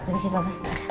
kau siapin apa